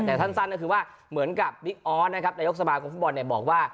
แต่ท่านสั้นก็คือว่าเหมือนกับวิอร์ดนะครับในยกสมาคมฟุ่มบอลเนี่ยบอกว่า